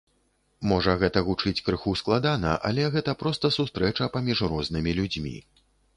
Можа гэта гучыць крыху складана, але гэта проста сустрэча паміж рознымі людзьмі.